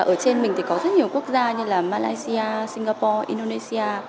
ở trên mình thì có rất nhiều quốc gia như là malaysia singapore indonesia